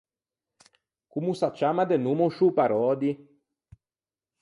Comme o s’acciamma de nomme o sciô Parodi?